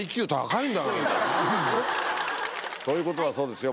ということだそうですよ